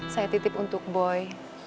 saya titip untuk boy